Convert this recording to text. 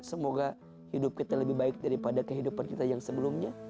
semoga hidup kita lebih baik daripada kehidupan kita yang sebelumnya